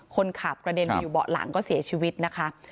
คนขับกระเด็นไปอยู่เบาะหลังก็เสียชีวิตนะคะ